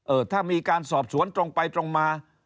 ถ้ามีการสอบสวนตรงไปตรงมา